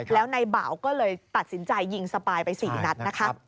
แล้วในเบาก็เลยตัดสินใจยิงสปายไปสี่นัดนะครับ